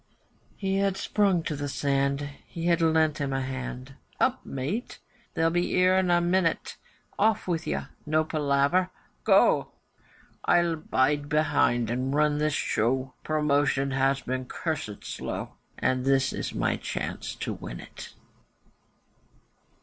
He had sprung to the sand, he had lent him a hand, 'Up, mate! They'll be 'ere in a minute; Off with you! No palaver! Go! I'll bide be'ind and run this show. Promotion has been cursed slow, And this is my chance to win it.